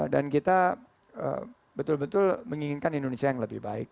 dan kita betul betul menginginkan indonesia yang lebih baik